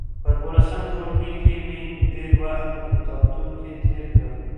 په دولسم ټولګي کي مي ډېر وخت په کتابتون کي تېر کړ.